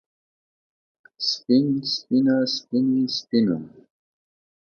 سپين سپينه سپينې سپينو